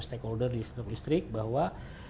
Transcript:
stakeholder di listrik bahwa